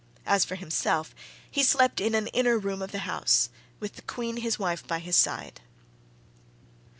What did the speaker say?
As for himself, he slept in an inner room of the house, with the queen his wife by his side.